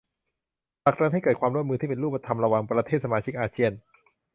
ผลักดันให้เกิดความร่วมมือที่เป็นรูปธรรมระหว่างประเทศสมาชิกอาเซียน